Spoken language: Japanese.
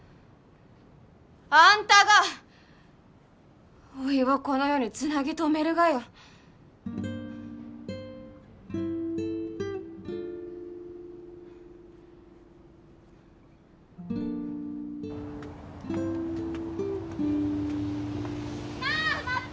アンタがおいをこの世につなぎ留めるがよなあ待って！